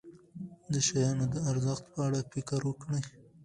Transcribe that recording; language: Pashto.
د شیانو د ارزښت په اړه فکر وکړئ.